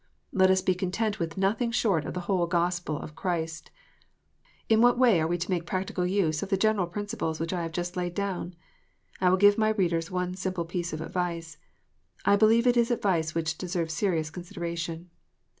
Let us be content with nothing short of the whole Gospel of Christ. In what way are we to make practical use of the general principles which I have just laid down 1 I will give my readers one simple piece of advice. I believe it is advice which deserves serious consideration.